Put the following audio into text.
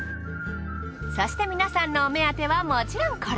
そして皆さんのお目当てはもちろんこれ。